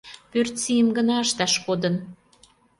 Пӧртсийым гына ышташ кодын...